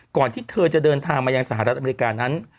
ที่เธอจะเดินทางมายังสหรัฐอเมริกานั้น